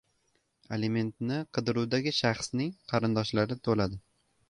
Alimentni qidiruvdagi shaxsning qarindoshlari to‘ladi